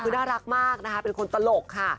คือน่ารักมากนะคะเป็นคนตลกค่ะ